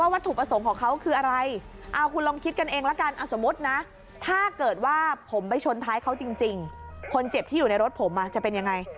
ว่าผมไม่ชนท้ายเขาจริงคนเจ็บที่อยู่ในรถผมอ่ะจะเป็นยังไง